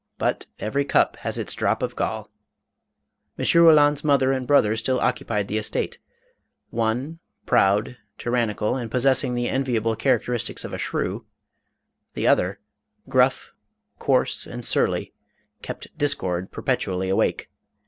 But every cup has its drop of gall. M. Roland's mother and brother still occupied the estate ; one, proud, tyr annical, and possessing the enviable characteristics of a shrew ; the other, gruff, coarse and surly, kept discord perpetually awake.